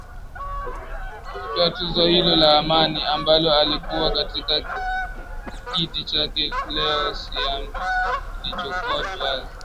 akitoa tuzo hilo la amani ambalo aliweka katika kiti chake leo siambo kilichokuwa wazi